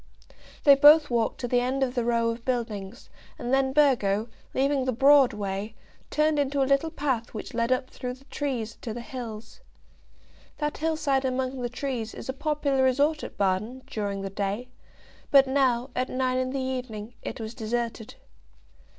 They both walked to the end of the row of buildings, and then Burgo, leaving the broad way, turned into a little path which led up through the trees to the hills. That hillside among the trees is a popular resort at Baden, during the day; but now, at nine in the evening, it was deserted.